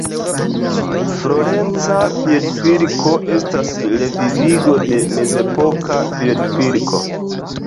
Florenca piedpilko estas revivigo de mezepoka piedpilko.